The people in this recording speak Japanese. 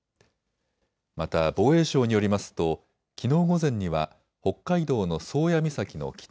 また防衛省によりますときのう午前には北海道の宗谷岬の北